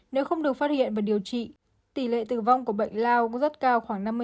nếu không được phát hiện và điều trị tỷ lệ tử vong của bệnh lao cũng rất cao khoảng năm mươi